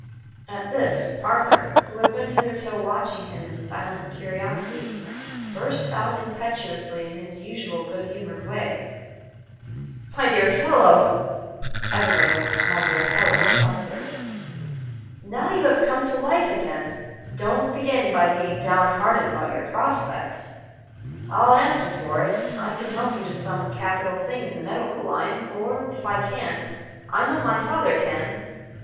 At this, Arthur, who had been hitherto watching him in silent curiosity, burst out impetuously in his usual good humored way: "My dear fellow" (everybody was "my dear fellow" with Arthur), "now you have come to life again, don't begin by being down hearted about your prospects. I'll answer for it I can help you to some capital thing in the medical line, or, if I can't, I know my father can."